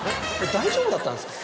大丈夫だったんですか？